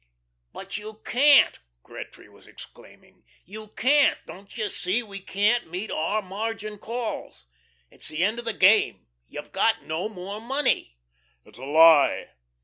"But you can't," Gretry was exclaiming. "You can't; don't you see we can't meet our margin calls? It's the end of the game. You've got no more money." "It's a lie!"